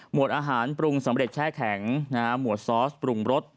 วดอาหารปรุงสำเร็จแช่แข็งหมวดซอสปรุงรส